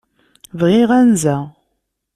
Bɣiɣ anza.